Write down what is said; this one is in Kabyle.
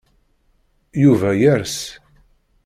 Yuba yers.